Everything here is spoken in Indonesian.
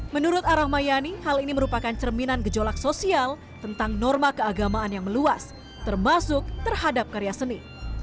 menurut arah mayani hal ini merupakan cerminan gejolak sosial tentang norma keagamaan yang meluas termasuk terhadap karya seni